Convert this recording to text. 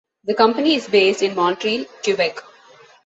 The company is based in Montreal, Quebec.